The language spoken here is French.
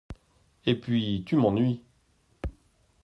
Et puis, tu m’ennuies !